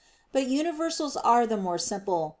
But universals are the more simple.